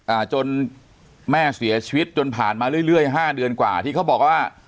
อ่าจนแม่เสียชีวิตจนผ่านมาเรื่อยเรื่อยห้าเดือนกว่าที่เขาบอกว่า